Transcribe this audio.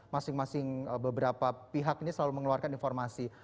masing masing beberapa pihak ini selalu mengeluarkan informasi